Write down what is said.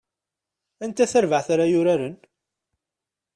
Anta tarbaɛt ara yuraren?